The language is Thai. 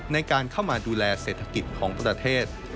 ในการเข้ามาดูแลเศรษฐกิจของประเทศ